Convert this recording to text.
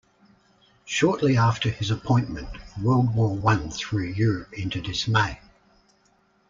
Shortly after his appointment, World War One threw Europe into dismay.